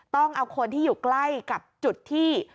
ต้องเอาคนที่อยู่ใกล้กับจุดที่